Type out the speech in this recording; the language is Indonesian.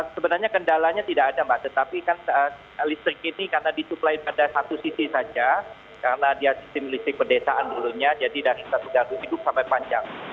sebenarnya kendalanya tidak ada mbak tetapi kan listrik ini karena disuplai pada satu sisi saja karena dia sistem listrik pedesaan dulunya jadi dari satu garu hidup sampai panjang